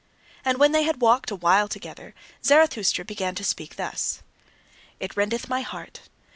And when they had walked a while together, Zarathustra began to speak thus: It rendeth my heart.